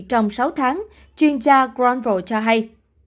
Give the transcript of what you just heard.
trong sáu tháng chuyên gia granville cho hay